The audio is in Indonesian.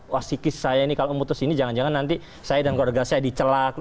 wah psikis saya ini kalau memutus ini jangan jangan nanti saya dan keluarga saya dicelak